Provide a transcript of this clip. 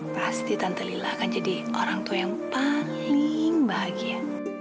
pasti tante lila akan jadi orang tua yang paling bahagia